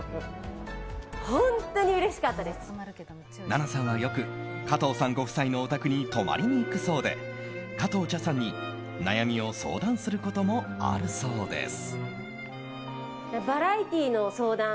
奈々さんはよく加藤さんご夫婦のお宅に泊まりにいくそうで加藤茶さんに悩みを相談することもあるそうです。